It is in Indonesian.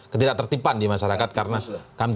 ketidak tertipan di masyarakat karena kami